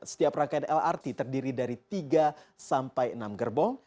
setiap rangkaian lrt terdiri dari tiga sampai enam gerbong